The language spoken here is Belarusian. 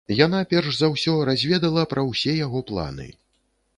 Яна перш за ўсё разведала пра ўсе яго планы.